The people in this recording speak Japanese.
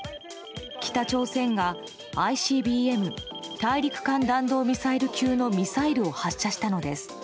北朝鮮がＩＣＢＭ・大陸間弾道ミサイル級のミサイルを発射したのです。